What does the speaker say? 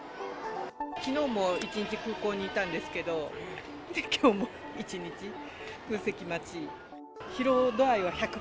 きのうも一日、空港にいたんですけど、きょうも一日、空席待ち。